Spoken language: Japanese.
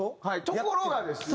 ところがですよね。